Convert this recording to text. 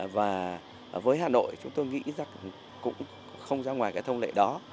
và với hà nội chúng tôi nghĩ rằng cũng không ra ngoài cái thông lệ đó